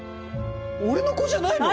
俺の子じゃないの！？